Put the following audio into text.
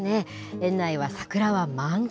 園内は桜は満開。